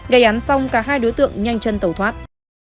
gây án xong cả hai đối tượng nhanh chân tẩu thoát